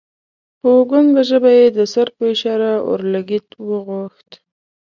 په ګنګه ژبه یې د سر په اشاره اورلګیت وغوښت.